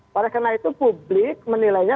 karena itu publik menilainya